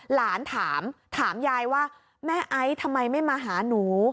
หลานถามถามยายว่าแม่ไอซ์ทำไมไม่มาหาหนู